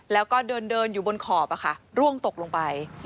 แล้วก็เดินอยู่บนขอบร่วงตกลงไป